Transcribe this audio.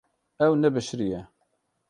Ew nebişiriye.